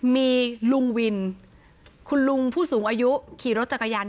มีลุงวินคุณลุงผู้สูงอายุขี่รถจักรยาน